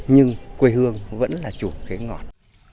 nhưng quê hương vẫn là chủ khế ngọt